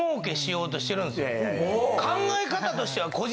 考え方としては。